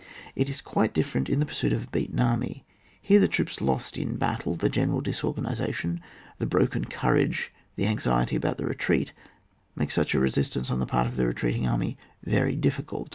It is quite different in the pursuit of a beaten army. Here the troops lost in battle, the general disorganisation, the broken courage, the anxiety about the retreat, make such a resistance on the part of the retreating army very difficult.